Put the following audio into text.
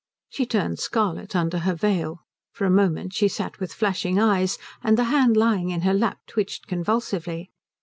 She turned scarlet under her veil. For a moment she sat with flashing eyes, and the hand lying in her lap twitched convulsively.